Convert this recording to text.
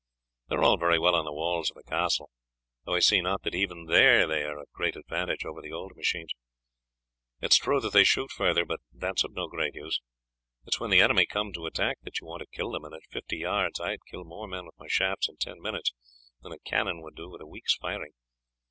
They are all very well on the walls of a castle, though I see not that even there they are of great advantage over the old machines. It is true that they shoot further, but that is of no great use. It is when the enemy come to attack that you want to kill them, and at fifty yards I would kill more men with my shafts in ten minutes than a cannon would do with a week's firing.